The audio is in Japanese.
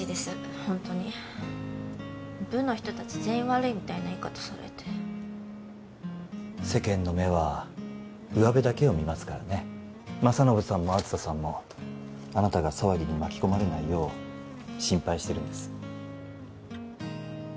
ホントに部の人達全員悪いみたいな言い方されて世間の目はうわべだけを見ますからね政信さんも梓さんもあなたが騒ぎに巻き込まれないよう心配してるんです